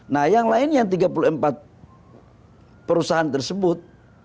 nah yang lain yang tiga puluh empat perusahaan tersebut